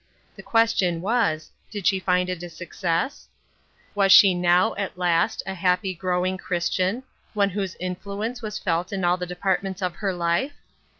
The question was, Did she find it a success ? Was she now, at last, a happy, growing Christian — one whose influ ence was felt in all the departments of her life